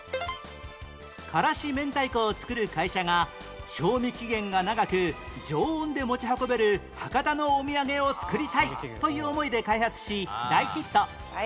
辛子明太子を作る会社が賞味期限が長く常温で持ち運べる博多のお土産を作りたいという思いで開発し大ヒット